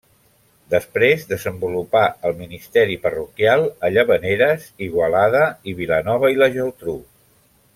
Després desenvolupà el ministeri parroquial a Llavaneres, Igualada i Vilanova i la Geltrú.